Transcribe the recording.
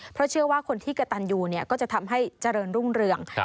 เพราะเชื่อว่าคนที่กระตันยูก็จะทำให้เจริญรุ่งเรือง